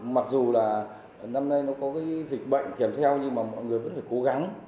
mặc dù là năm nay nó có dịch bệnh kiểm theo nhưng mà mọi người vẫn phải cố gắng